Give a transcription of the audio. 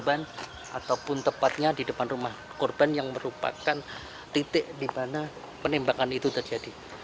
dan mengalami penyelesaian pengguna